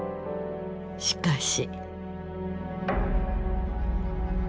しかし。